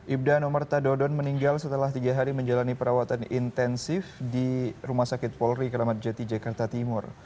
ibda nomerta dodon meninggal setelah tiga hari menjalani perawatan intensif di rumah sakit polri keramat jati jakarta timur